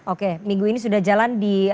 oke minggu ini sudah jalan di